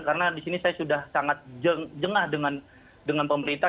karena di sini saya sudah sangat jengah dengan pemerintah